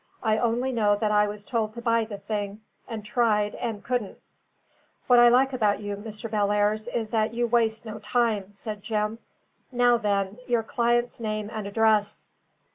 "I only know that I was told to buy the thing, and tried, and couldn't." "What I like about you, Mr. Bellairs, is that you waste no time," said Jim. "Now then, your client's name and address."